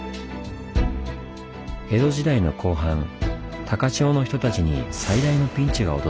江戸時代の後半高千穂の人たちに最大のピンチが訪れます。